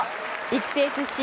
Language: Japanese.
育成出身